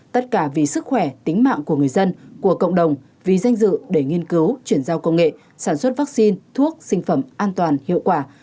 tất cả vì sức khỏe tính mạng của người dân của cộng đồng vì danh dự để nghiên cứu chuyển giao công nghệ sản xuất vaccine thuốc sinh phẩm an toàn hiệu quả